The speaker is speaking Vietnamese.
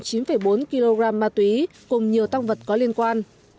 tổng cộng chín bốn kg ma túy cùng nhiều tăng vật có liên quan